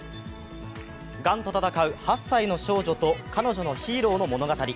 がんと闘う８歳の少女と彼女のヒーローの物語。